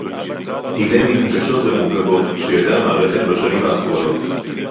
הינה מן הקשות והמורכבות שידעה המערכת בשנים האחרונות